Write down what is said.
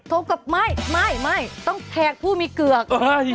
โทรกับไม่ไม่ไม่ต้องแทกผู้มีเกือก